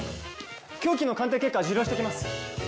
凶器の鑑定結果受領しときます。